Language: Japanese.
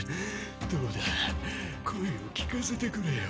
どうだ声を聞かせてくれよ。